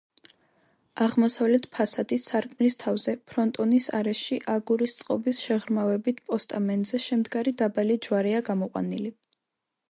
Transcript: აღმოსავლეთ ფასადის სარკმლის თავზე, ფრონტონის არეში, აგურის წყობის შეღრმავებით პოსტამენტზე შემდგარი დაბალი ჯვარია გამოყვანილი.